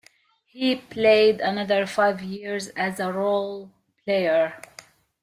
He played another five years as a role player.